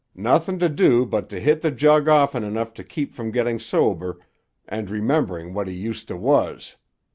Nothin' to do but tuh hit the jug offen enough to keep from gettin' sober and remembering what he used to was.